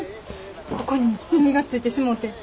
ここに染みがついてしもうて。